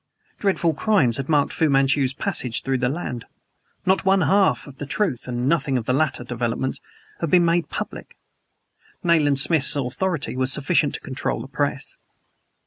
Dreadful crimes had marked Fu Manchu's passage through the land. Not one half of the truth (and nothing of the later developments) had been made public. Nayland Smith's authority was sufficient to control the press.